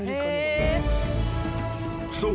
そう。